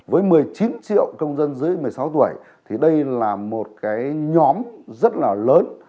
với một mươi chín triệu công dân dưới một mươi sáu tuổi thì đây là một cái nhóm rất là lớn